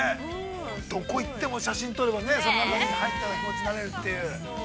◆どこ行っても写真撮ればね、その中に入った気持ちになれるという。